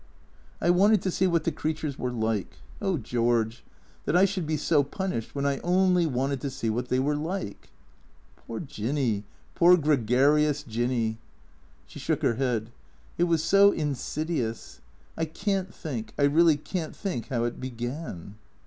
" I wanted to see what the creatures were like. Oh, George, THE C R E A 1^ 0 K S 121 that I should be so punished when I only wanted to see what they were like." " Poor Jinny. Poor gregarious Jinny." She shook her head. " It was so insidious. I can't think, I really can't think how it began."